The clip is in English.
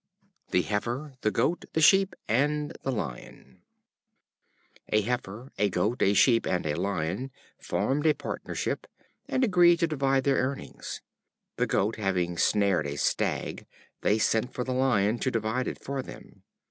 The Heifer, the Goat, the Sheep and the Lion. A Heifer, a Goat, a Sheep, and a Lion formed a partnership, and agreed to divide their earnings. The Goat having snared a stag, they sent for the Lion to divide it for them.